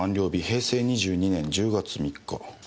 平成２２年１０月３日」。